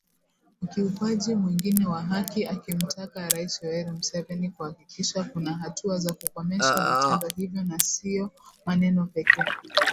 Ukiukwaji mwingine wa haki akimtaka Rais Yoweri Museveni kuhakikisha kuna hatua za kukomesha vitendo hivyo na sio maneno pekee